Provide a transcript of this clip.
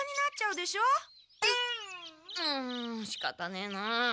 うっうんしかたねえなあ。